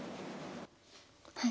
はい。